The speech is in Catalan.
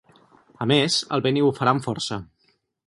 A més, el vent hi bufarà amb força.